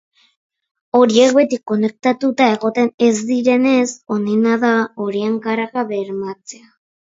Horiek beti konektatuta egoten ez direnez, onena da horien karga bermatzea.